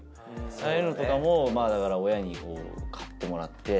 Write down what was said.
ああいうのとかもまあだから親に買ってもらって。